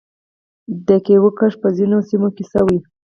د کیوي کښت په ځینو سیمو کې شوی.